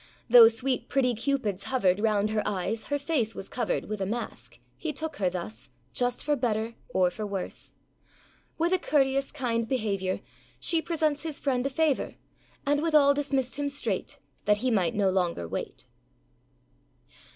Though sweet pretty Cupids hovered Round her eyes, her face was covered With a mask, âhe took her thus, Just for better or for worse. With a courteous kind behaviour, She presents his friend a favour, And withal dismissed him straight, That he might no longer wait.